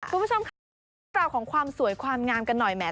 คุณผู้ชมคะมาดูเรื่องราวของความสวยความงามกันหน่อยแหม